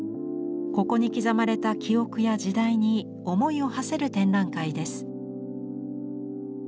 ここに刻まれた記憶や時代に思いをはせる展覧会です。